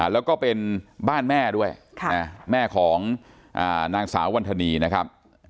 แล้วก็เป็นบ้านแม่ด้วยแม่ของนางสาววันธนีนะครับ